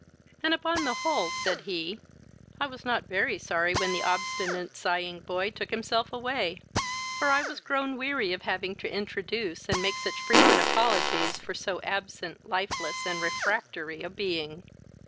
"And upon the whole, (said he,) I was not very sorry when the obstinate sighing boy took himself away; for I was grown weary of having to introduce, and make such frequent apologies for so absent, lifeless, and refractory a being."